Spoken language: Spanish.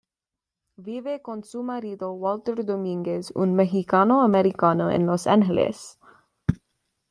Vive con su marido, Walter Domínguez, un mexicano-americano en Los Ángeles.